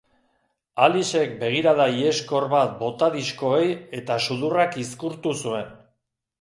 Alicek begirada iheskor bat bota diskoei eta sudurra kizkurtu zuen.